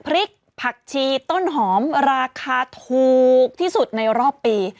พริกผักชีต้นหอมราคาถูกที่สุดในรอบปี